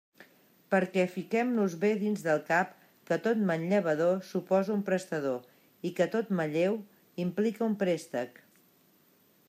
Perquè fiquem-nos bé dins del cap que tot manllevador suposa un prestador, i que tot malleu implica un préstec.